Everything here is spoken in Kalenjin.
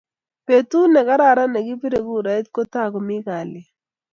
betut ne kararan ne kipire kurait ko tara mi kalye